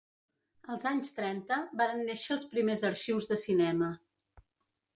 Als anys trenta varen néixer els primers arxius de cinema.